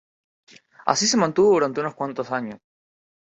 Así se mantuvo durante unos cuantos años.